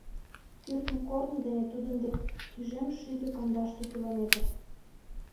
Кӱртньӧ корно дене тудын дек тӱжем шӱдӧ кандашлу километр.